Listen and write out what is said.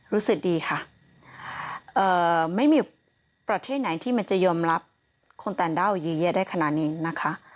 รู้สึกดีค่ะไม่มีประเทศไหนที่มันจะยอมรับคนต่างด้าวเยอะแยะได้ขนาดนี้นะคะ